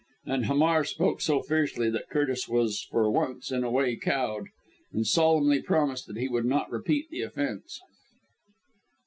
And Hamar spoke so fiercely that Curtis was for once in a way cowed, and solemnly promised that he would not repeat the offence.